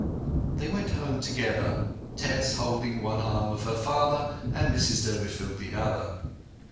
They went home together, Tess holding one arm of her father, and Mrs Durbeyfield the other.